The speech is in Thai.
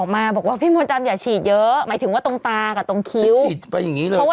แล้วหน้าอย่างเงี้ยเถอะ